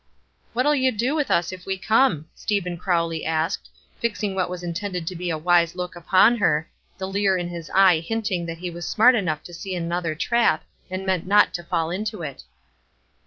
"What'll you do with us if we come?" Stephen Crowley asked, fixing what was intended as a wise look upon her, the leer in his eye hinting that he was smart enough to see another trap, and meant not to fall into it.